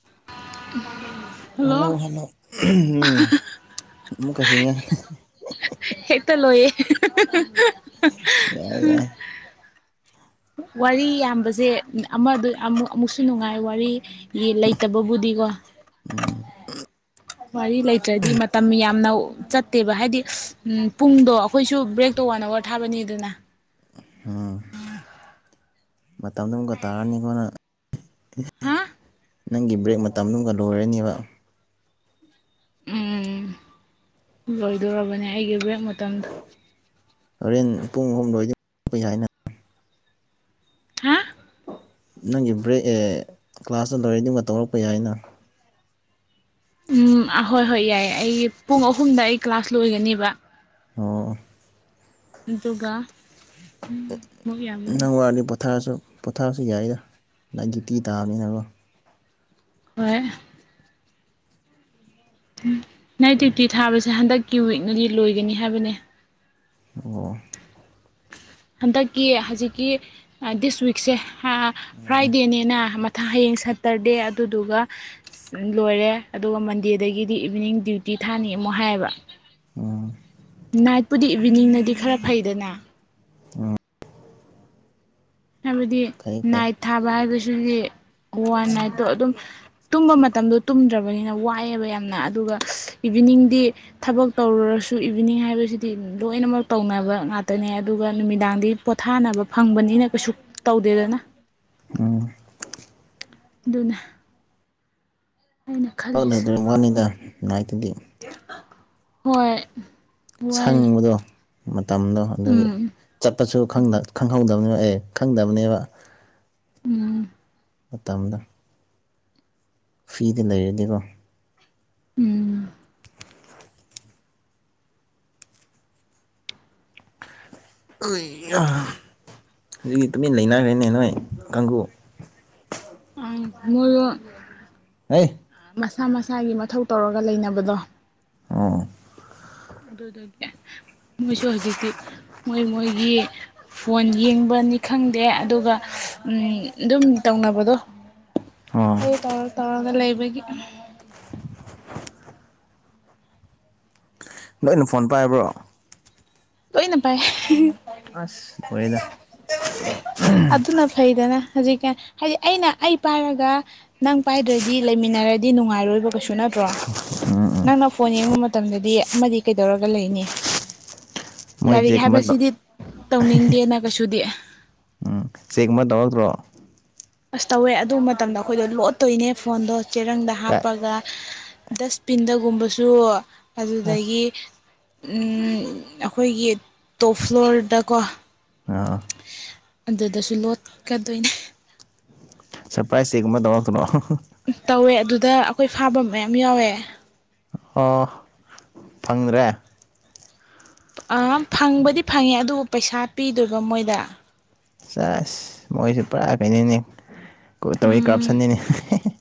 [inaudible] hello hello ꯎꯝ ꯑꯃꯨꯛꯀ ꯍꯤꯡꯉꯦ [inaudible] ꯍꯦꯛꯇ [inaudible] ꯌꯥꯏ ꯌꯥꯏ ꯋꯥꯔꯤ ꯌꯥꯝꯕꯁꯦ ꯑꯃꯗꯨ ꯑꯃꯨꯛ ꯑꯃꯨꯛꯁꯨ ꯅꯨꯡꯉꯥꯏ ꯋꯥꯔꯤ ꯌꯦ ꯂꯩꯇꯕꯕꯨꯗꯤꯀꯣ ꯎꯝ ꯋꯥꯔꯤ ꯂꯩꯇ꯭ꯔꯗꯤ ꯃꯇꯝ ꯌꯥꯝꯅ ꯆꯠꯇꯦꯕ ꯍꯥꯏꯗꯤ ꯄꯨꯡꯗꯣ ꯑꯩꯈꯣꯏꯁꯨ ꯕ꯭ꯔꯦꯛ ꯇꯣ ꯋꯥꯟ ꯑꯥꯋꯔ ꯊꯥꯕꯅꯤꯗꯅ ꯑꯥ ꯃꯇꯝꯗꯣ ꯃꯨꯛꯀ ꯇꯥꯔꯅꯤꯀꯣ ꯅꯪ ꯏ ꯑꯦ ꯍꯥ ꯅꯪꯒꯤ ꯕ꯭ꯔꯦꯛ ꯃꯇꯝꯗꯨꯒ ꯂꯣꯏꯔꯅꯤꯕ ꯎꯝ ꯂꯣꯏꯗꯣꯔꯕꯅꯦ ꯑꯩꯒꯤ ꯕ꯭ꯔꯦꯛ ꯃꯇꯝꯗꯣ ꯍꯣꯔꯦꯟ ꯄꯨꯡ ꯑꯍꯨꯝ [unintelligible] ꯌꯥꯏꯅ ꯍꯥ ꯅꯪꯒꯤ ꯕ꯭ꯔꯦꯛꯑꯦ ꯀ꯭ꯂꯥꯁꯇ ꯂꯣꯏꯔꯗꯤ ꯇꯧꯔꯛꯄ ꯌꯥꯏꯅ ꯎꯝ ꯑꯍꯣꯏ ꯍꯣꯏ ꯌꯥꯏ ꯑꯩ ꯄꯨꯡ ꯑꯍꯨꯝꯗ ꯑꯩ ꯀ꯭ꯂꯥꯁ ꯂꯣꯏꯒꯅꯤꯕ ꯑꯣ ꯑꯗꯨꯒ ꯑꯃꯨꯛ ꯌꯥꯝꯕ ꯅꯪ ꯋꯔꯅꯤ ꯄꯣꯊꯥꯁꯨ ꯄꯣꯊꯥꯔꯁꯨ ꯌꯥꯏꯗ ꯅꯥꯏꯠ ꯗ꯭ꯌꯨꯇꯤ ꯇꯥꯕꯅꯤꯅꯀꯣ ꯍꯣꯏ ꯅꯥꯏꯠ ꯗ꯭ꯌꯨꯇꯤ ꯊꯥꯕꯁꯦ ꯍꯟꯗꯛꯀꯤ ꯋꯤꯛꯅꯗꯤ ꯂꯣꯏꯒꯅꯤ ꯍꯥꯏꯕꯅꯦ ꯑꯣ ꯍꯟꯗꯛꯀꯤ ꯍꯖꯤꯛꯀꯤ ꯗꯤꯁ ꯋꯤꯛꯁꯦ ꯑꯥ ꯑꯣ ꯐ꯭ꯔꯥꯏꯗꯦꯅꯦꯅ ꯃꯊꯪ ꯍꯌꯦꯡ ꯁꯇꯔꯗꯦ ꯑꯗꯨꯗꯨꯒ ꯂꯣꯏꯔꯦ ꯑꯗꯨꯒ ꯃꯟꯗꯦꯗꯒꯤꯗꯤ ꯏꯚꯤꯅꯤꯡ ꯗ꯭ꯌꯨꯇꯤ ꯊꯥꯅꯤ ꯑꯃꯨꯛ ꯍꯥꯏꯌꯦꯕ ꯎꯝ ꯅꯥꯏꯠꯄꯨꯗꯤ ꯏꯚꯤꯅꯤꯡꯅꯗꯤ ꯈꯔ ꯐꯩꯗꯅ ꯎꯝ ꯍꯥꯏꯕꯗꯤ ꯐꯩ ꯐꯩ ꯅꯥꯏꯠ ꯊꯥꯕ ꯍꯥꯏꯕꯁꯤꯗꯤ ꯋꯥꯟ ꯅꯥꯏꯠꯇꯣ ꯑꯗꯨꯝ ꯇꯨꯝꯕ ꯃꯇꯝꯗꯣ ꯇꯨꯝꯗ꯭ꯔꯕꯅꯤꯅ ꯋꯥꯏꯌꯦꯕ ꯌꯥꯝꯅ ꯑꯗꯨꯒ ꯏꯚꯤꯅꯤꯡꯗꯤ ꯊꯕꯛ ꯇꯧꯔꯨꯔ ꯁꯨ ꯏꯚꯤꯅꯤꯡ ꯍꯥꯏꯕꯁꯤꯗꯤ ꯂꯣꯏꯅꯃꯛ ꯇꯧꯅꯕ ꯉꯥꯛꯇꯅꯦ ꯑꯗꯨꯒ ꯅꯨꯃꯤꯗꯥꯡꯗꯤ ꯄꯣꯊꯥꯅꯕ ꯐꯪꯕꯅꯤꯅ ꯀꯩꯁꯨ ꯇꯧꯗꯦꯗꯅ ꯑꯣ ꯑꯗꯨꯅꯦ ꯑꯣꯟ ꯂꯩꯇ꯭ꯔꯦ ꯋꯥꯅꯤꯗ ꯅꯥꯥꯏꯠꯇꯨꯗꯤ ꯍꯣꯏ ꯋꯥꯏ ꯁꯪꯕꯗꯣ ꯃꯇꯝꯗꯣ ꯑꯗꯨꯒꯤ ꯎꯝ ꯆꯠꯄꯁꯨ ꯈꯪꯅ ꯈꯪꯍꯧꯗꯕꯅꯦꯕ ꯑꯦ ꯈꯪꯗꯕꯅꯦꯕ ꯎꯝ ꯃꯇꯝꯗꯣ ꯐꯤꯗꯤ ꯂꯩꯔꯗꯤꯀꯣ ꯎꯝ ꯀꯩꯒꯤꯔꯥ ꯍꯧꯖꯤꯀꯤ ꯇꯨꯃꯤꯟꯅ ꯂꯩꯅꯔꯦꯅꯦ ꯅꯣꯏ ꯀꯥꯡꯒꯨ ꯎꯝ ꯃꯣꯢꯔꯣ ꯍꯩ ꯃꯁꯥ ꯃꯁꯥꯒꯤ ꯃꯊꯧ ꯇꯧꯔꯒ ꯂꯩꯅꯕꯗꯣ ꯑꯣꯥ ꯑꯗꯨꯗꯒꯤ ꯃꯣꯏꯁꯨ ꯍꯧꯖꯤꯛꯇꯤ ꯃꯣꯏ ꯃꯣꯏꯒꯤ ꯐꯣꯟ ꯌꯦꯡꯕꯅꯤ ꯈꯪꯗꯦ ꯑꯗꯨꯒ ꯎꯝ ꯑꯗꯨꯝ ꯇꯧꯅꯕꯗꯣ ꯑꯣ ꯑꯗꯨ ꯇꯩꯔ ꯇꯧꯔ ꯂꯩꯕꯒꯤ ꯂꯣꯏꯅ ꯐꯣꯟ ꯄꯥꯏꯕ꯭ꯔꯣ ꯂꯣꯏꯅ ꯄꯥꯏ ꯑꯁ ꯂꯣꯏꯔꯦꯗ ꯑꯗꯨꯅ ꯐꯩꯗꯦꯅ ꯍꯧꯖꯤꯛꯀꯥꯟ ꯍꯥꯏꯗꯤ ꯑꯩꯅ ꯑꯩ ꯄꯥꯏꯔꯒ ꯅꯪ ꯄꯥꯏꯗ꯭ꯔꯗꯤ ꯂꯩꯃꯤꯟꯅꯔꯗꯤ ꯅꯨꯡꯉꯥꯏꯔꯣꯏꯕ ꯀꯩꯁꯨ ꯅꯠꯇ꯭ꯔꯣ ꯅꯪꯅ ꯐꯣꯟ ꯌꯦꯡꯕ ꯃꯇꯝꯗꯗꯤ ꯑꯃꯗꯤ ꯀꯩꯗꯧꯔꯒ ꯂꯩꯅꯤ ꯃꯣꯏ ꯂꯥꯏꯔꯤꯛ ꯆꯦꯛꯀꯨꯝꯕ ꯇꯧ ꯍꯥꯏꯕꯁꯤꯗꯤ ꯇꯧꯅꯤꯡꯗꯦꯅ ꯀꯩꯁꯨꯗꯤ ꯆꯦꯛ ꯑꯃ ꯇꯧꯔꯛꯇ꯭ꯔꯣ ꯑꯁ ꯇꯧꯋꯦ ꯑꯗꯨ ꯃꯇꯝꯗ ꯑꯩꯈꯣꯏꯗꯣ ꯂꯣꯠꯇꯣꯏꯅꯦ ꯐꯣꯟꯗꯣ ꯆꯦꯔꯪꯗ ꯀꯥꯏ ꯍꯥꯞꯄꯒ ꯗꯁꯕꯤꯟꯗꯒꯨꯝꯕꯁꯨ ꯑꯁ ꯑꯗꯨꯗꯒꯤ ꯎꯝ ꯑꯩꯈꯣꯏꯒꯤ ꯇꯣꯞ ꯐ꯭ꯂꯣꯔꯗꯀꯣ ꯑꯥ ꯑꯗꯨꯗꯁꯨ ꯂꯣꯠꯀꯗꯣꯏꯅꯤ ꯁꯔꯄ꯭ꯔꯥꯏꯁ ꯆꯦ ꯒꯨꯝꯕ ꯇꯧꯔꯛꯇꯔꯣ ꯇꯧꯋꯦ ꯑꯗꯨꯗ ꯑꯩꯈꯣꯏ ꯐꯥꯕ ꯃꯌꯥꯝ ꯌꯥꯎꯋꯦ ꯑꯣ ꯐꯪꯗ꯭ꯔꯦ ꯑ ꯐꯪꯕꯗꯤ ꯐꯪꯉꯦ ꯑꯗꯨꯕꯨ ꯄꯩꯁꯥ ꯄꯤꯗꯣꯏꯕ ꯃꯣꯏꯗ ꯁꯦꯁ ꯃꯣꯏꯁꯨ ꯄꯨꯔꯥ ꯀꯩꯅꯣꯅꯦ ꯀꯣ ꯇꯧꯔꯤ ꯀꯔꯞꯁꯟꯅꯤꯅꯦ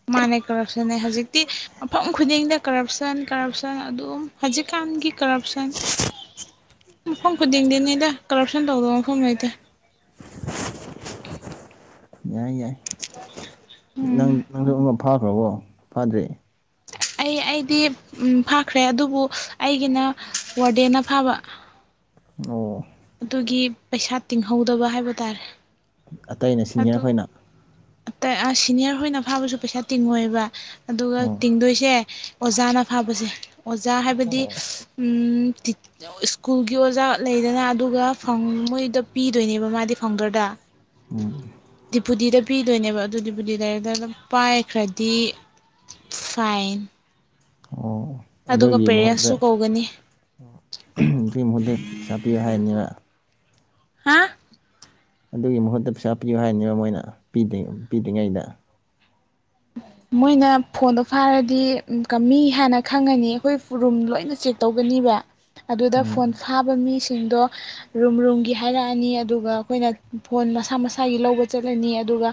ꯃꯥꯅꯦ ꯀꯔꯞꯁꯟꯅꯦ ꯍꯧꯖꯤꯛꯇꯤ ꯃꯐꯝ ꯈꯨꯗꯤꯡꯗ ꯀꯔꯞꯁꯟ ꯀꯔꯞꯁꯟ ꯑꯗꯨꯝ ꯍꯧꯖꯤꯛꯀꯥꯟꯒꯤ ꯀꯔꯞ ꯁꯟ [inaudible] ꯃꯐꯝ ꯈꯨꯗꯤꯡꯗꯤꯅꯤꯗ ꯀꯔꯞꯁꯟ ꯇꯧꯗꯕ ꯃꯐꯝ ꯂꯩꯇꯦ ꯌꯥꯏ ꯌꯥꯏ [inaudible] ꯅꯪ ꯅꯪꯁꯨ ꯑꯃ ꯐꯥꯈ꯭ꯔꯕꯣ ꯐꯥꯗ꯭ꯔꯤ ꯑꯩ ꯑꯩꯗꯤ ꯎꯝ ꯐꯥꯈ꯭ꯔꯦ ꯑꯗꯨꯕꯨ ꯑꯩꯒꯤꯅ ꯋꯥꯔꯗꯦꯟꯅ ꯐꯥꯕ ꯑꯣ ꯑꯗꯨꯒꯤ ꯄꯩꯁꯥ ꯇꯤꯡꯍꯧꯗꯕ ꯍꯥꯏꯕ ꯇꯥꯔꯦ ꯑꯇꯩꯩꯅ ꯁꯤꯅꯤꯌꯔ ꯑꯗꯨ ꯈꯣꯏꯅ ꯑꯇꯩ ꯑ ꯁꯤꯅꯤꯌꯔ ꯍꯣꯏꯅ ꯐꯥꯕꯁꯨ ꯄꯩꯁꯥ ꯇꯤꯡꯉꯣꯏꯕ ꯑꯗꯨꯒ ꯑꯣ ꯇꯤꯡꯗꯣꯏꯁꯦ ꯑꯣꯖꯥꯅ ꯐꯥꯕꯁꯦ ꯑꯣꯖꯥ ꯍꯥꯏꯕꯗꯤ ꯑꯣ ꯎꯝ ꯇꯤꯠ ꯁ꯭ꯀꯨꯜꯒꯤ ꯑꯣꯖꯥ ꯂꯩꯗꯅ ꯑꯗꯨꯒ ꯐꯥꯎꯟ‌ ꯃꯣꯏꯗ ꯄꯤꯗꯣꯏꯅꯦꯕ ꯃꯥꯗꯤ ꯐꯥꯎꯟꯗꯔꯗ ꯎꯝ ꯗꯤꯄꯨꯗꯤꯗ ꯄꯤꯗꯣꯏꯅꯦꯕ ꯑꯗꯨꯗꯤꯕꯨꯗꯤ ꯗꯥꯏꯔꯦꯛꯇꯔ ꯄꯥꯏꯈ꯭ꯔꯗꯤ ꯐꯥꯏꯟ ꯑꯣ ꯑꯗꯨꯒ ꯑꯗꯨꯒꯤ ꯃꯍꯨꯠꯇ ꯄꯦꯔꯦꯟꯁꯨ ꯀꯧꯒꯅꯤ ꯄꯩꯁꯥ ꯄꯤꯌꯨ ꯍꯥꯏꯅꯦꯕ ꯍꯥ ꯑꯗꯨꯒꯤ ꯃꯍꯨꯠꯇ ꯄꯩꯁꯥ ꯄꯤꯌꯨ ꯍꯥꯏꯅꯦꯕ ꯃꯣꯏꯅ ꯄꯤꯗꯦ ꯄꯤꯗ꯭ꯔꯤꯉꯩꯗ [inaudible] ꯃꯣꯏꯅ ꯐꯣꯟꯗꯣ ꯐꯥꯔꯗꯤ ꯀꯝꯃꯤ ꯍꯥꯏꯅ ꯈꯪꯉꯅꯤ ꯑꯩꯈꯣꯏ ꯔꯨꯝ ꯂꯣꯏꯅ ꯆꯦꯛ ꯇꯧꯒꯅꯤ ꯑꯗꯨꯗ ꯎꯝ ꯐꯣꯟ ꯐꯥꯕ ꯃꯤ ꯁꯤꯡꯗꯣ ꯔꯨꯝ ꯔꯨꯝꯒꯤ ꯍꯥꯏꯔꯛꯑꯅꯤ ꯑꯗꯨꯒ ꯑꯩꯈꯣꯏꯅ ꯐꯣꯟ ꯃꯁꯥ ꯃꯁꯥꯒꯤ ꯂꯧꯕ ꯆꯠꯂꯅꯤ ꯑꯗꯨꯒ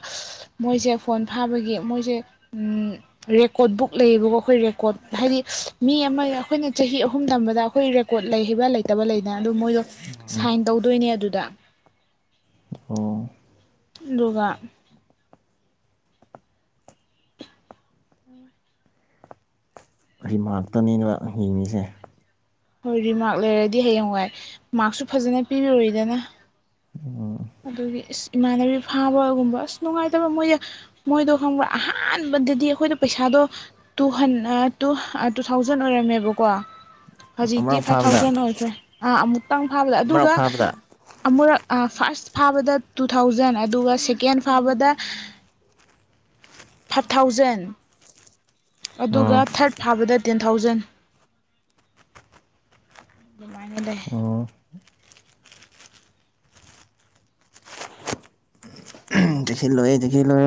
ꯃꯣꯏꯁꯦ ꯐꯣꯟ ꯐꯥꯕꯒꯤ ꯃꯣꯏꯁꯦ ꯔꯦꯀꯣꯔꯠ ꯕꯨꯛ ꯂꯩꯌꯦꯕꯀꯣ ꯑꯩꯈꯣꯏ ꯔꯦꯀꯣꯔꯠ ꯍꯥꯏꯗꯤ ꯃꯤ ꯑꯃ ꯑꯩꯈꯣꯏꯅ ꯆꯍꯤ ꯑꯍꯨꯝ ꯇꯝꯕꯗ ꯑꯩꯈꯣꯏ ꯔꯦꯀꯣꯔꯠ ꯂꯩꯈꯤꯕ ꯂꯩꯇꯕ ꯂꯩꯗꯅ ꯑꯗꯨ ꯃꯣꯏꯗꯣ ꯎꯝ ꯁꯥꯏꯟ ꯇꯧꯗꯣꯏꯅꯦ ꯑꯗꯨꯗ ꯑꯣ ꯑꯗꯨꯒ ꯔꯤꯃꯥꯔꯛꯇꯅꯦꯕ ꯌꯦꯡꯉꯤꯁꯦ ꯍꯣꯏ ꯔꯤꯃꯥꯔꯛ ꯂꯩꯔꯗꯤ ꯍꯌꯦꯡꯋꯥꯏ ꯃꯥꯔꯛꯁꯨ ꯐꯖꯅ ꯄꯤꯔ ꯔꯣꯏꯗꯅ ꯑꯗꯨꯒꯤ ꯏꯃꯥꯟꯅꯕꯤ ꯐꯥꯕꯒꯨꯝꯕ ꯑꯁ ꯅꯨꯡꯉꯥꯏꯇꯕ ꯃꯣꯏꯗ ꯃꯣꯏꯗꯣ ꯈꯪꯕ꯭ꯔꯥ ꯑꯍꯥꯟꯕꯗꯗꯤ ꯑꯩꯈꯣꯏꯗꯣ ꯄꯩꯁꯥ ꯑꯗꯣ ꯇꯨꯍꯟ ꯑ ꯇꯨ ꯇꯨ ꯊꯥꯎꯖꯟ ꯑꯣꯏꯔꯝꯃꯦꯕꯀꯣ ꯍꯧꯖꯤꯛꯇꯤ ꯃꯔꯛ ꯐꯥꯏꯚ ꯐꯥꯕꯗ ꯊꯥꯎꯖꯟ ꯑꯣꯏꯈ꯭ꯔꯦ ꯑꯥ ꯑꯃꯨꯛꯇꯪ ꯐꯥꯕꯗ ꯃꯔꯛ ꯑꯗꯨꯒ ꯐꯥꯕꯗ ꯑꯃꯨꯔꯛ ꯐꯥꯔꯁ ꯐꯥꯕꯗ ꯇꯨ ꯊꯥꯎꯖꯟ ꯑꯗꯨꯒ ꯁꯦꯀꯦꯟ ꯐꯥꯕꯗ ꯐꯥꯏꯚ ꯊꯥꯎꯖꯟ ꯑꯗꯨꯒ ꯑꯣ ꯊꯥꯔꯠ ꯐꯥꯕꯗ ꯇꯦꯟ ꯊꯥꯎꯖꯟ ꯑꯗꯨꯃꯥꯏꯅ ꯂꯩ ꯑꯣ ꯆꯦꯛꯁꯤꯜꯂꯣꯍꯦ ꯆꯦꯛꯁꯤꯜꯂꯣꯍꯦ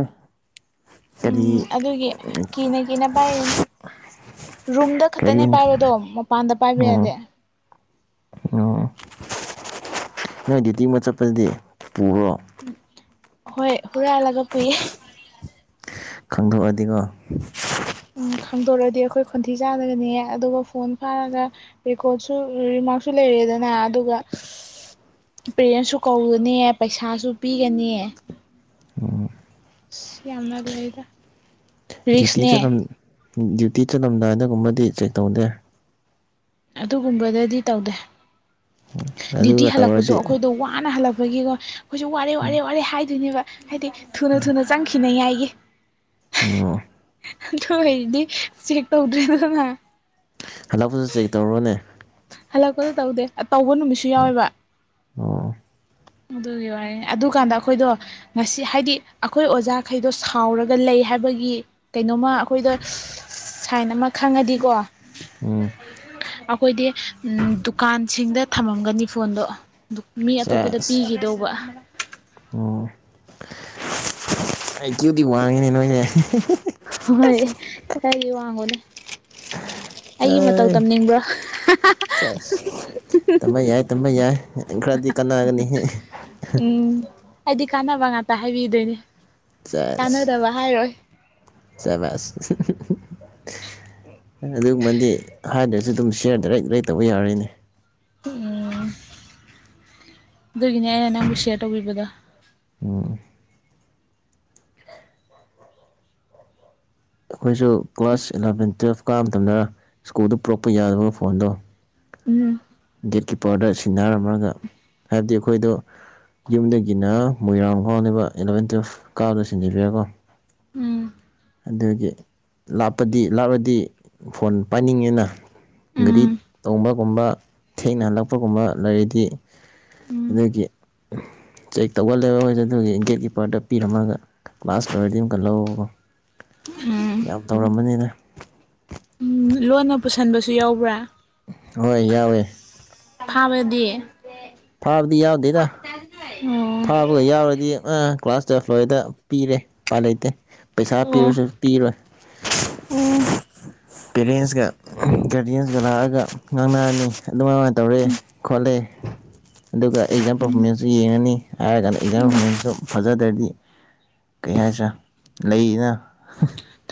ꯀꯔꯤ ꯎꯝ ꯑꯗꯨꯒꯤ ꯀꯤꯅ ꯀꯤꯅ ꯄꯥꯏꯔꯤꯅꯤ ꯔꯨꯝꯗ ꯀꯔꯤ ꯈꯛꯇꯅꯦ ꯄꯥꯏꯕꯗꯣ ꯃꯄꯥꯟꯗ ꯄꯥꯏꯕ ꯌꯥꯗꯦ ꯎꯝ ꯅꯣꯏ ꯗ꯭ꯌꯨꯇꯤ ꯑꯃ ꯆꯠꯄꯗꯗꯤ ꯄꯨꯕ꯭ꯔꯣ ꯍꯣꯏ ꯍꯨꯔꯥꯜꯂꯒ ꯄꯨꯏꯌꯦ ꯈꯪꯗꯣꯛꯑꯗꯤꯀꯣ ꯎꯝ ꯈꯪꯗꯣꯔꯛꯑꯗꯤ ꯑꯩꯈꯣꯏ ꯈꯣꯟꯊꯤ ꯆꯥꯒꯅꯤꯌꯦ ꯑꯗꯨꯒ ꯐꯣꯟ ꯐꯥꯔꯒ ꯔꯦꯀꯣꯔꯠꯁꯨ ꯔꯤꯃꯥꯔꯛꯁꯨ ꯂꯩ ꯗꯅ ꯑꯗꯨꯒ ꯄꯦꯔꯦꯟꯁꯁꯨ ꯀꯧꯒꯅꯤ ꯄꯩꯁꯥꯁꯨ ꯄꯤꯒꯅꯤ ꯌꯥꯝꯅ ꯂꯩꯗ ꯗ꯭ꯌꯨꯇꯤ ꯔꯤꯛꯁꯅꯦ ꯆꯠꯂꯝ ꯗ꯭ꯌꯨꯇꯤ ꯆꯠꯂꯝꯗꯥꯏꯗ ꯑꯗꯨꯝꯒꯨꯝꯕꯗꯤ ꯆꯦꯛ ꯇꯧꯗꯦ ꯑꯗꯨꯒꯨꯝꯕꯗꯗꯤ ꯇꯧꯗꯦ ꯗ꯭ꯌꯨꯇꯤ ꯑꯗꯨꯒ ꯍꯜꯂꯛꯄꯁꯨ ꯇꯧꯔꯗꯤ ꯑꯩꯈꯣꯏꯗꯣ ꯋꯥꯅ ꯍꯜꯂꯛ ꯒꯤꯀꯣ ꯑꯩꯈꯣꯏꯁꯨ ꯋꯥꯔꯦ ꯋꯥꯔꯦ ꯎꯝ ꯋꯥꯔꯦ ꯍꯥꯏꯗꯣꯏꯅꯦꯕ ꯍꯥꯏꯗꯤ ꯊꯨꯅ ꯊꯨꯅ ꯆꯪꯈꯤꯅꯤꯉꯥꯏꯒꯤ ꯑꯣ ꯑꯗꯨ ꯑꯣꯏꯔꯗꯤ ꯆꯦꯛ ꯇꯧꯗ꯭ꯔꯦꯗꯅ ꯍꯜꯂꯛꯄꯗꯁꯨ ꯆꯦꯛ ꯇꯧꯔꯣꯅꯦ ꯍꯜꯂꯛꯄꯗ ꯇꯧꯗꯦ ꯇꯧꯕ ꯅꯨꯃꯤꯠꯁꯨ ꯌꯥꯎꯋꯦꯕ ꯑꯣ ꯑꯗꯨꯒꯤ ꯋꯥꯔꯤꯅꯤ ꯑꯗꯨꯀꯥꯟꯗ ꯑꯩꯈꯣꯏꯗꯣ ꯉꯁꯤ ꯍꯥꯏꯗꯤ ꯑꯩꯈꯣꯏ ꯑꯣꯖꯥꯈꯩꯗꯣ ꯁꯥꯎꯔꯒ ꯂꯩ ꯍꯥꯏꯕꯒꯤ ꯀꯩꯅꯣꯃ ꯑꯩꯈꯣꯏꯗ ꯁꯥꯏꯟ ꯑꯃ ꯈꯪꯉꯗꯤꯀꯣ ꯎꯝ ꯈꯣꯏꯗꯤ ꯗꯨꯀꯥꯟꯁꯤꯡꯗ ꯊꯅꯝꯒꯅꯤ ꯐꯣꯟꯗꯣ ꯁꯦꯁ ꯎꯋꯥ ꯑꯣ ꯊꯦꯀ꯭ꯌꯨ ꯗꯤ ꯋꯥꯡꯉꯤꯅꯦ ꯅꯣꯏꯖꯦ [inaudible] ꯍꯣꯏ ꯈꯔꯗꯤ ꯋꯥꯡꯉꯨꯅꯦ [inaudible] ꯑꯩꯒꯤ ꯃꯇꯧ ꯑꯩ ꯇꯝꯅꯤꯡꯕ꯭ꯔꯣ ꯁꯦꯁ ꯇꯝꯕ ꯌꯥꯏ ꯇꯝꯕ ꯌꯥꯏ ꯈꯔꯗꯤ ꯀꯥꯟꯅꯒꯅꯤꯍꯦ ꯎꯝ ꯑꯩꯗꯤ ꯀꯥꯟꯅꯕ ꯉꯥꯛꯇ ꯍꯥꯏꯕꯤꯗꯣꯏꯅꯦ ꯁꯦꯁ ꯀꯥꯟꯅꯗꯕ ꯍꯥꯏꯔꯣꯏ ꯁꯕꯥꯁ [inaudible] ꯑꯗꯨꯒꯨꯝꯕꯗꯤ ꯍꯥꯏꯗ꯭ꯔꯁꯨ ꯑꯗꯨꯝ ꯁꯤꯌꯔ ꯗꯥꯏꯔꯦꯛ ꯗꯥꯏꯔꯦꯛ ꯇꯧꯕ ꯌꯥꯔꯦꯅꯦ ꯎꯝ ꯑꯗꯨꯒꯤꯅꯦ ꯅꯪꯕꯨ ꯑꯩꯅ ꯁꯤꯌꯔ ꯇꯧꯕꯤꯕꯗꯣ [inaudible] ꯑꯩꯈꯣꯏꯁꯨ ꯀ꯭ꯂꯥꯁ ꯑꯦꯂꯚꯦꯟ ꯇꯨꯋꯦꯞ ꯀꯥꯕ ꯃꯇꯝꯗ ꯁ꯭ꯀꯨꯜꯗ ꯄꯨꯔꯛꯄ ꯌꯥꯗꯕ ꯐꯣꯟꯗꯣ ꯎꯝ ꯒꯦꯠꯀꯤꯞꯄꯔꯗ ꯁꯤꯟꯅꯔꯝꯔꯒ ꯍꯥꯏꯕꯗꯤ ꯑꯩꯈꯣꯏꯗꯣ ꯌꯨꯝꯗꯒꯤꯅ ꯃꯣꯏꯔꯥꯡ ꯐꯥꯎꯅꯦꯕ ꯑꯦꯂꯚꯦꯟ ꯇꯨꯋꯦꯞ ꯀꯥꯕꯗ ꯁꯤꯟꯖꯂꯤꯌꯦꯀꯣ ꯎꯝ ꯑꯗꯨꯒꯤ ꯂꯥꯞꯄꯗꯤ ꯂꯥꯞꯂꯗꯤ ꯐꯣꯟ ꯄꯥꯏꯅꯤꯡꯉꯦꯅ ꯒꯥꯔꯤ ꯎꯝ ꯇꯣꯡꯕꯒꯨꯝꯕ ꯊꯦꯡꯅ ꯍꯜꯂꯛꯄꯒꯨꯝꯕ ꯂꯩꯔꯗꯤ ꯎꯝ ꯑꯗꯨꯒꯤ ꯆꯦꯛ ꯇꯧꯒꯜꯂꯦꯕ ꯃꯣꯏꯁꯦ ꯑꯗꯨꯒꯤ ꯒꯦꯠꯀꯤꯄꯔꯗ ꯄꯤꯔꯝꯃꯒ ꯀ꯭ꯂꯥꯁ ꯂꯣꯏꯔꯗꯤ ꯑꯃꯨꯛꯀ ꯂꯧꯔꯒꯀꯣ ꯎꯝ ꯌꯥꯝ ꯇꯧꯔꯝꯕꯅꯤꯅꯦ ꯂꯣꯟꯅ ꯄꯨꯁꯟꯕꯁꯨ ꯌꯥꯎꯕ꯭ꯔ ꯍꯣꯏ ꯌꯥꯎꯋꯦ ꯐꯥꯕꯗꯤ ꯐꯥꯕꯗꯤ ꯌꯥꯎꯗꯦꯗ ꯑꯣ ꯐꯥꯕꯒ ꯌꯥꯎꯔꯗꯤ ꯑꯥ ꯀ꯭ꯂꯥꯁ ꯇꯨꯋꯦꯐ ꯂꯣꯏꯗ ꯄꯤꯔꯦ ꯎꯄꯥꯏ ꯂꯩꯇꯦ ꯄꯩꯁꯥ ꯑꯣ ꯄꯤꯔꯁꯨ ꯄꯤꯔꯣꯏ [inaudible] ꯄꯦꯔꯦꯟꯁꯀ ꯒꯥꯔꯗꯤꯌꯦꯟꯁꯀ ꯂꯥꯛꯑꯒ ꯉꯥꯡꯅꯔꯅꯤ ꯑꯗꯨꯃꯃꯥꯏꯅ ꯇꯧꯔꯦ ꯈꯣꯠꯂꯦ ꯑꯗꯨꯒ ꯑꯦꯛꯖꯥꯝ ꯄꯔꯐꯣꯔꯃꯦꯟꯁꯁꯨ ꯌꯦꯡꯉꯅꯤ ꯍꯥꯏꯔꯒꯅ ꯑꯦꯛꯖꯥꯝ ꯎꯝ ꯄꯔꯐꯣꯔꯃꯦꯟꯁꯇꯨ ꯐꯖꯗ꯭ꯔꯗꯤ ꯀꯩ ꯍꯥꯏꯁꯦꯔꯥꯥ ꯂꯩꯅ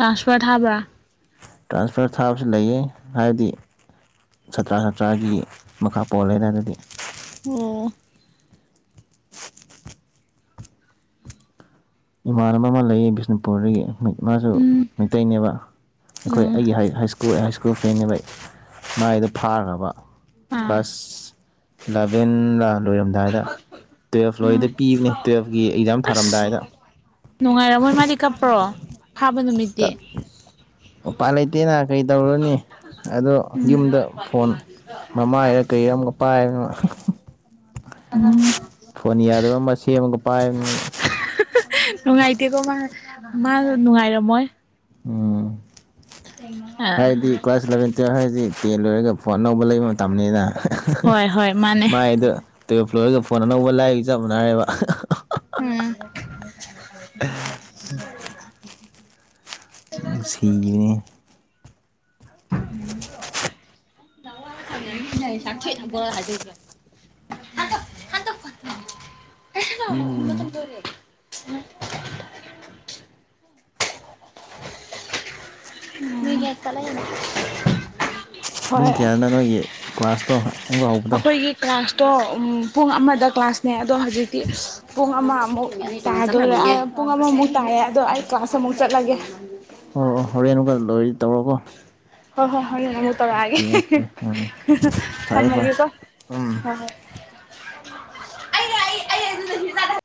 ꯂꯥꯎꯗ ꯁ꯭ꯄꯤꯀꯔ ꯊꯥꯕ꯭ꯔ ꯇ꯭ꯔꯥꯟꯁꯐꯔ ꯊꯥꯕꯁꯨ ꯂꯩꯌꯦ ꯍꯥꯏꯕꯗꯤ ꯁꯥꯇ꯭ꯔ ꯁꯥꯇ꯭ꯔꯒꯤ ꯃꯈꯥ ꯄꯣꯜꯂꯦꯅ ꯗꯨꯗꯤ ꯑꯣ ꯏꯃꯥꯟꯅꯕ ꯑꯃ ꯂꯩꯌꯦ ꯕꯤꯁꯅꯨꯄꯨꯔꯗꯒꯤ ꯃꯥꯁꯨ ꯎꯝ ꯃꯩꯇꯩꯅꯦꯕ ꯑꯩꯈꯣꯏ ꯎꯝ ꯑꯩꯒꯤ ꯍꯥꯏ ꯁ꯭ꯀꯨ ꯕꯣꯏ ꯍꯥꯏꯁ꯭ꯀꯨꯜ ꯐꯦꯟꯅꯦꯕ ꯃꯥꯏꯗꯣ ꯐꯥꯈ꯭ꯔꯕ ꯑꯥ ꯀ꯭ꯂꯥꯁ ꯂꯕꯦꯟ ꯔ ꯂꯣꯏꯔꯝꯗꯥꯏꯗ ꯇꯨꯋꯦꯜꯐ ꯂꯣꯏꯗ ꯎꯝ ꯄꯤꯕꯅꯦ ꯇꯨꯋꯦꯜꯐꯀꯤ ꯑꯦꯛꯖꯥꯝ ꯑꯁ ꯊꯥꯔꯝꯗꯥꯏꯗ ꯅꯨꯡꯉꯥꯏꯔꯝꯃꯣꯏ ꯃꯥꯗꯤ ꯀꯞꯄ꯭ꯔꯣ ꯐꯥꯕ ꯇ ꯅꯨꯃꯤꯠꯇꯤ ꯎꯄꯥꯥꯏ ꯂꯩꯇꯦꯅ ꯀꯩ ꯇꯧꯔꯨꯅꯤ ꯑꯗꯣ ꯌꯨꯝꯗ ꯐꯣꯟ ꯃꯃꯥꯏꯔ ꯀꯔꯤꯔ ꯑꯃ ꯄꯥꯏꯅꯣ ꯎꯝ ꯐꯣꯟ ꯌꯥꯗꯕ ꯑꯃ ꯁꯦꯝꯃꯒ ꯄꯥꯏꯕꯅꯤ ꯅꯨꯡꯉꯥꯏꯇꯦꯀꯣ ꯃꯥ ꯃꯥ ꯅꯨꯡꯉꯥꯏꯔꯝꯃꯣꯏ ꯎ ꯑ ꯍꯥꯏꯗꯤ ꯀ꯭ꯂꯥꯁ ꯏꯂꯚꯦꯟ ꯇꯨꯌꯦꯜ ꯍꯥꯏꯗꯤ ꯇꯦꯟ ꯂꯣꯏꯔꯒ ꯐꯣꯟ ꯑꯅꯧꯕ ꯂꯩꯕ ꯃꯇꯝꯅꯤꯅ ꯍꯣꯏ ꯍꯣꯏ ꯃꯥꯅꯦ [inaudible] ꯃꯥꯏꯗꯣ ꯂꯣꯏꯔꯒ ꯐꯣꯟ ꯑꯅꯧꯕ ꯂꯥꯏꯕ ꯆꯞ ꯃꯅꯔꯦꯕ ꯎꯝ [inaudible] ꯎꯪ ꯁꯤꯔꯤꯅꯦ [unintelligible] [unintelligible] [inaudible] ꯎꯝ [unintelligible] [unintelligible] ꯃꯤ ꯍꯣꯏ ꯀꯌꯥꯅꯥ ꯅꯣꯏꯒꯤ ꯀ꯭ꯂꯥꯁꯇꯣ ꯑꯃꯨꯛꯀ ꯍꯧꯕꯗꯣ ꯑꯩꯈꯣꯏꯒꯤ ꯀ꯭ꯂꯥꯁ ꯇꯣ ꯄꯨꯡ ꯑꯃꯗ ꯀ꯭ꯂꯥꯁꯅꯦ ꯑꯗꯣ ꯍꯧꯖꯤꯛꯇꯤ ꯄꯨꯡ ꯑꯃꯃꯨꯛ ꯇꯥꯗꯣꯔꯦ ꯄꯨꯡ ꯑꯃꯃꯨꯛ ꯇꯥꯏꯔꯦ ꯑꯗꯣ ꯑꯩ ꯀ꯭ꯂꯥꯁ ꯑꯃꯨꯛ ꯆꯠꯂꯒꯦ ꯑꯣ ꯑꯣ ꯍꯣꯔꯦꯟ ꯕ ꯂꯣꯏꯔꯗꯤ ꯇꯧꯔꯣꯀꯣ ꯍꯣꯏ ꯍꯣ ꯍꯣꯔꯦꯟ ꯑꯃꯨꯛ ꯇꯧꯔꯛꯒꯦ ꯑꯣꯀꯦ ꯍꯦ ꯑꯣꯀꯦ ꯎꯝ ꯍꯦꯍ ꯍ ꯐꯔꯦ ꯐꯔꯦ ꯊꯝꯃꯒꯦꯀꯣ ꯎꯝ ꯍꯣ ꯍꯣꯢ [inaudible] ꯑꯩꯒ ꯑꯩ ꯑꯩ ꯑꯗꯣ ꯔꯟꯖꯤꯇꯥꯒ